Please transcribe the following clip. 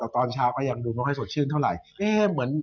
แต่ตอนเช้าก็ยังดูไม่ค่อยสดชื่นเท่าไหร่